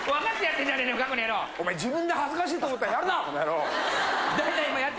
お前自分で恥ずかしいと思ったらやるなこの野郎。